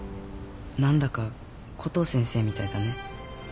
何だかコトー先生みたいだね。